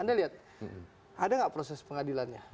anda lihat ada nggak proses pengadilannya